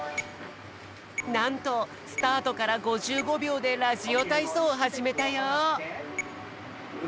なんとスタートから５５びょうで「ラジオたいそう」をはじめたよ。